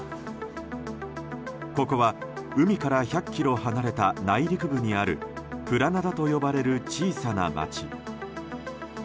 ここは、海から１００ｋｍ離れた内陸部にあるプラナダと呼ばれる小さな町。